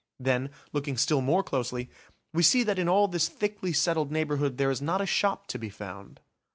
Then, looking still more closely, we see that in all this thickly settled neighbourhood there is not a shop to be found.